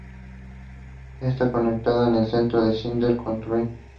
Está conectada cone el Centro de Sídney con un tren.